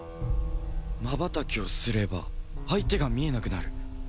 まばたきをすれば相手が見えなくなる